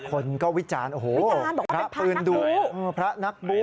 คนก็วิจารณ์โอ้โหวิจารณ์บอกว่าเป็นพระนักบู้